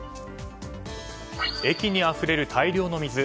駅にあふれる大量の水。